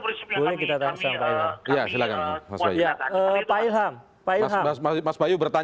itu saja prinsipnya kami kami kemudian memulakan